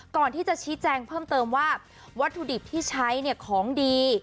ก่อนที่จะชี้แจงเพิ่มเติมว่าวัตถุดิบที่ใช้เนี่ยของดี